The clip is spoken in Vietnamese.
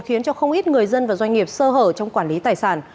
khiến cho không ít người dân và doanh nghiệp sơ hở trong quản lý tài sản